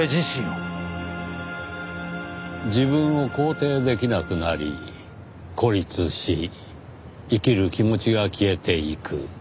自分を肯定できなくなり孤立し生きる気持ちが消えていく。